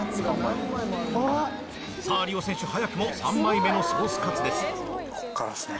さぁりお選手早くも３枚目のソースカツです。